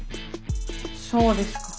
そうですか。